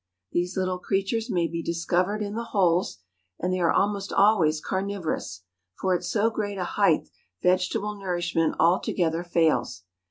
These little creatures may be discovered in the holes, and they are almost always carnivorous, for at so great a height vegetable nourishment alto¬ gether fails.